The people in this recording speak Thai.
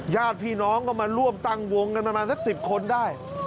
ญาติพี่น้องก็มาร่วมตั้งวงกันประมาณสัก๑๐คนได้